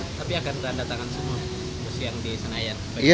tapi akan tanda tangan semua yang di senayan